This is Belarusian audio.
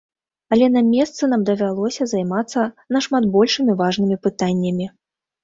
Але на месцы нам давялося займацца нашмат больш важнымі пытаннямі.